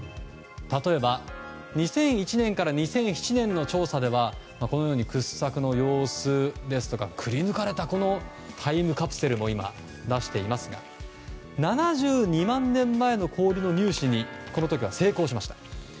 例えば、２００１年から２００７年の調査ではこのように掘削の様子やくりぬかれたタイムカプセルも出していますが７２万年前の氷の入手にこの時は成功しました。